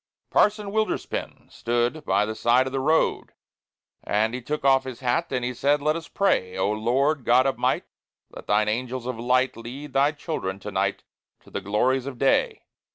Parson Wilderspin stood by the side of the road, And he took off his hat, and he said, "Let us pray! O Lord, God of might, let thine angels of light Lead thy children to night to the glories of day!